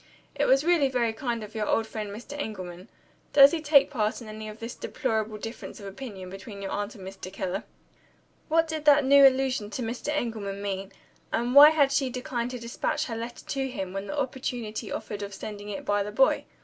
It was really very kind of your old friend Mr. Engelman. Does he take any part in this deplorable difference of opinion between your aunt and Mr. Keller?" What did that new allusion to Mr. Engelman mean? And why had she declined to despatch her letter to him, when the opportunity offered of sending it by the boy?